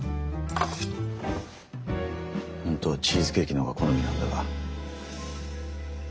本当はチーズケーキの方が好みなんだが。